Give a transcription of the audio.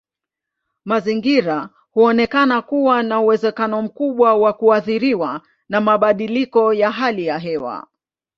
Mazingira huonekana kuwa na uwezekano mkubwa wa kuathiriwa na mabadiliko ya hali ya hewa.